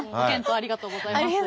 ありがとうございます。